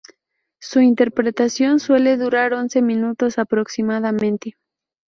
Su interpretación suele durar once minutos aproximadamente.